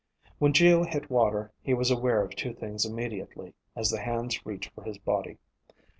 When Geo hit water, he was aware of two things immediately as the hands reached for his body.